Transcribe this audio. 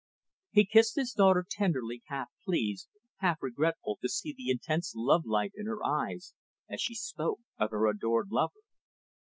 He kissed his daughter tenderly, half pleased, half regretful to see the intense lovelight in her eyes as she spoke of her adored lover.